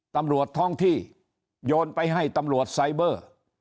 ตำรวจท้องที่โยนไปให้ตำรวจไซเบอร์